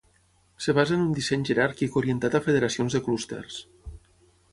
Es basa en un disseny jeràrquic orientat a federacions de clústers.